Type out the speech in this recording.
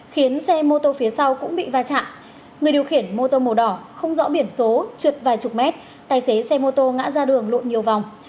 khiến xe mô tô phía sau cũng bị va chạm người điều khiển mô tô màu đỏ không rõ biển số trượt vài chục mét tài xế xe mô tô ngã ra đường lộn nhiều vòng